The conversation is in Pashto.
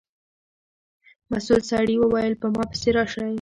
مسؤل سړي و ویل په ما پسې راشئ.